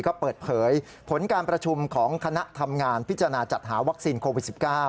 ก็เปิดเผยผลการประชุมของคณะทำงานพิจารณาจัดหาวัคซีนโควิด๑๙